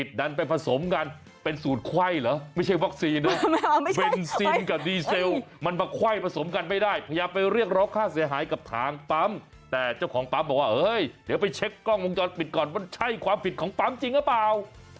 บอกว่าเฮ้ยเดี๋ยวไปเช็คกล้องมุมจอดปิดก่อนมันใช่ความผิดของปลามจริงหรือเปล่า